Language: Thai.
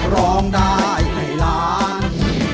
ร้องได้ให้ล้าน